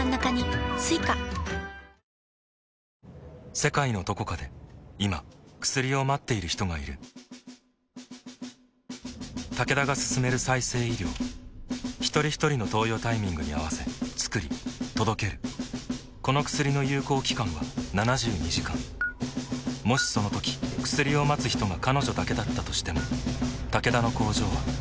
世界のどこかで今薬を待っている人がいるタケダが進める再生医療ひとりひとりの投与タイミングに合わせつくり届けるこの薬の有効期間は７２時間もしそのとき薬を待つ人が彼女だけだったとしてもタケダの工場は彼女のために動くだろう